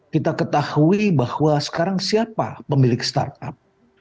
kita ketahui bahwa sekarang siapa pemilik startup